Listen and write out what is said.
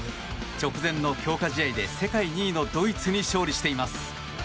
直前の強化試合で世界２位のドイツに勝利しています。